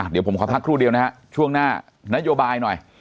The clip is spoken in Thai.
เดี๋ยวผมขอพักครู่เดียวนะฮะช่วงหน้านโยบายหน่อย